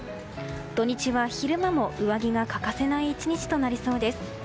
土日は昼間も上着が欠かせない１日となりそうです。